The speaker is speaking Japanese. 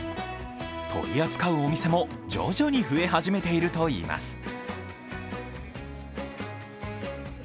取り扱うお店も徐々に増え始めているといいます。